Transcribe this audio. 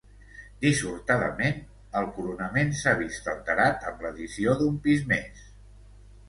Dissortadament el coronament s'ha vist alterat amb l'addició d'un pis més.